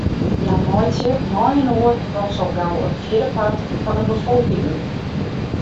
Hja meitsje mei-inoar dochs al gau in fjirdepart fan 'e befolking út.